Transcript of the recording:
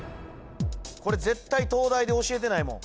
これ絶対東大で教えてないもん